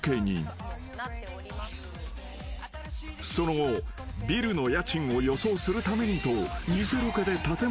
［そのビルの家賃を予想するためにと］